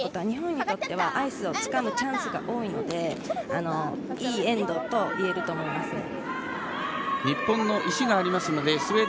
日本にとっては、アイスを掴むチャンスが多いのでいいエンドといえると思います。